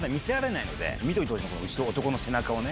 男の背中をね。